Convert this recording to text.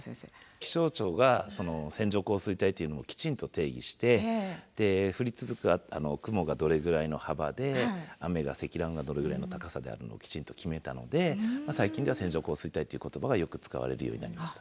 気象庁が線状降水帯っていうのをきちんと定義して降り続く雲がどれぐらいの幅で雨が積乱雲がどれぐらいの高さであるのをきちんと決めたので最近では線状降水帯っていう言葉がよく使われるようになりました。